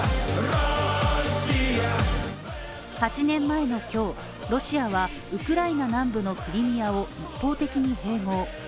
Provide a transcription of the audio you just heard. ８年前の今日、ロシアはウクライナ南部のクリミアを一方的に併合。